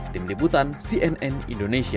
tim deputan cnn indonesia